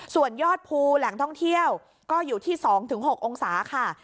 ส่วนยอดภูแหล่งท่องเที่ยวก็อยู่ที่๒๖องศาค่ะ